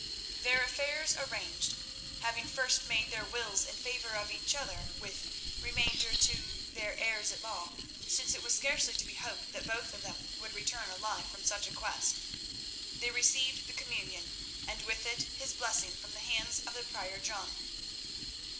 Their affairs arranged, having first made their wills in favour of each other with remainder to their heirs at law, since it was scarcely to be hoped that both of them would return alive from such a quest, they received the Communion, and with it his blessing from the hands of the Prior John.